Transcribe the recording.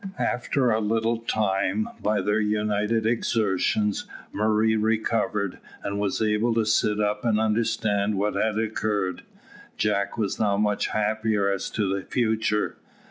After a little time, by their united exertions, Murray recovered, and was able to sit up and understand what had occurred. Jack was now much happier as to the future.